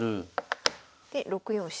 で６四飛車。